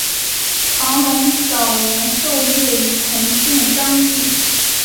唐龙早年受业于同县章懋。